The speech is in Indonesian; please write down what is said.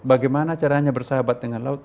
bagaimana caranya bersahabat dengan laut